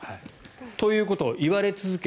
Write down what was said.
ということを言われ続け